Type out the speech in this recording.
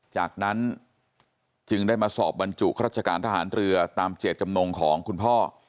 จากนั้นจึงได้มาสอบบรรจุราชการทหารเรือตามเจตจำนงของคุณพ่อ